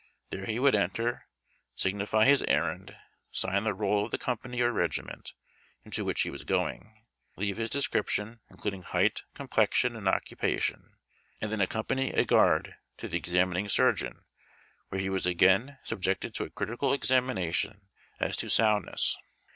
There he would enter, signify his errand, sign the roll of the company or regiment into which he was going, leave liis descri[)tion, including height, complexion, and occupation, and then ac company a guard to the examining surgeon, where he was again subjected to a critical examination as to soundness.